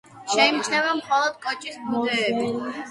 შეიმჩნევა მხოლოდ კოჭის ბუდეები.